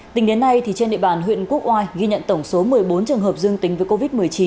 tính đến nay trên địa bàn huyện quốc oai ghi nhận tổng số một mươi bốn trường hợp dương tính với covid một mươi chín